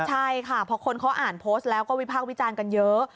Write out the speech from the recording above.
ใช่ค่ะพอคนเขาอ่านโพสต์แล้วก็วิพากษ์วิจารณ์กันเยอะ